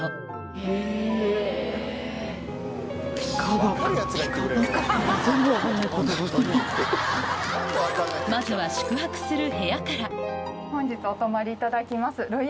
ガンバレルーヤがまずは宿泊する部屋から本日お泊まりいただきます。